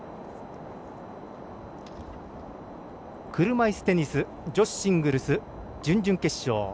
車いすテニス女子シングルス準々決勝。